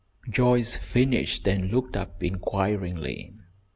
] Joyce finished and looked up inquiringly.